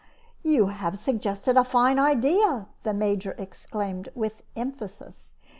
"You have suggested a fine idea," the Major exclaimed, with emphasis.